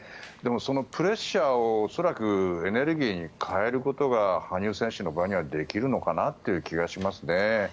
でも、そのプレッシャーを恐らくエネルギーに変えることが羽生選手の場合はできるのかなという気がします。